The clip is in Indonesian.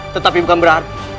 tetapi bukan berarti